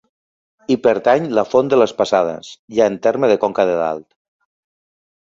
Hi pertany la Font de les Passades, ja en terme de Conca de Dalt.